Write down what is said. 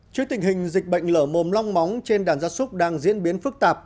trước tình hình dịch bệnh lở mồm long móng trên đàn gia súc đang diễn biến phức tạp